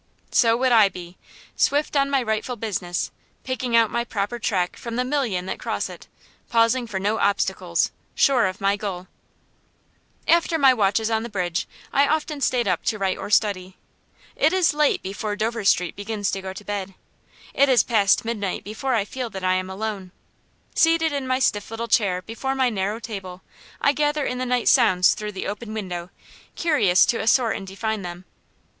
So would I be, swift on my rightful business, picking out my proper track from the million that cross it, pausing for no obstacles, sure of my goal. [Illustration: I LIKED TO STAND AND LOOK DOWN ON THE DIM TANGLE OF RAILROAD TRACKS BELOW] After my watches on the bridge I often stayed up to write or study. It is late before Dover Street begins to go to bed. It is past midnight before I feel that I am alone. Seated in my stiff little chair before my narrow table, I gather in the night sounds through the open window, curious to assort and define them.